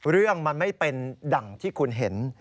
เรื่องมันไม่เป็นดั่งที่คุณเห็น